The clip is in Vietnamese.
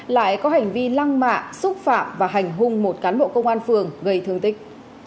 lại có hành vi lăng mạ xúc phạm và hành hung một cán bộ công an phường gây thương tích